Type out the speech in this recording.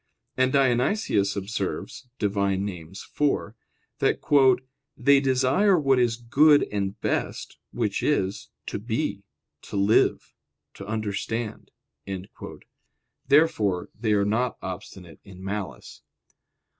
And Dionysius observes (Div. Nom. iv), that "they desire what is good and best, which is, to be, to live, to understand." Therefore they are not obstinate in malice.